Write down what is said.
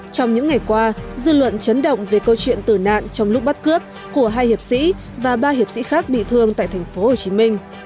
trong những ngày qua dư luận chấn động về câu chuyện tử nạn trong lúc bắt cướp của hai hiệp sĩ và ba hiệp sĩ khác bị thương tại tp hcm